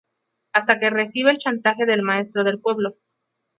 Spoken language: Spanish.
Hasta que recibe el chantaje del maestro del pueblo.